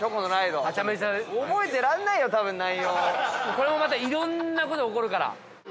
これもまたいろんなこと起こるから。